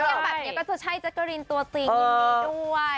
ถ้าเอียงแบบนี้ก็จะใช่จักรินตัวจริงยินดีด้วย